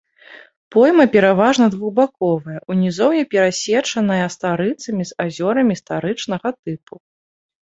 Пойма пераважна двухбаковая, у нізоўі перасечаная старыцамі з азёрамі старычнага тыпу.